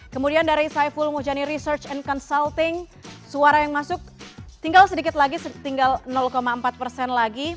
kemudian dari saiful mujani research and consulting suara yang masuk tinggal sedikit lagi tinggal empat persen lagi